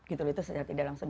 itu sejati dalam sehari